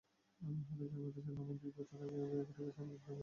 হাটহাজারী মাদ্রাসার নামে দুই বছর আগেই জায়গাটিতে সাইনবোর্ড টাঙ্গিয়ে রাখা হয়েছে।